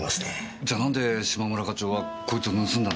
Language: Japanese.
じゃ何で嶋村課長はこいつを盗んだんですかね？